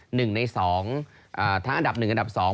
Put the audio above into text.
หนึ่งในสองอ่าทั้งอันดับหนึ่งอันดับสอง